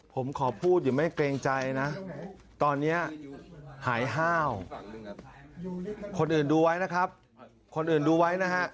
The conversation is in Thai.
ผมขอพูดอย่าไม่เกรงใจนะตอนนี้หายห้าวคนอื่นดูไว้นะครับคนอื่นดูไว้นะฮะ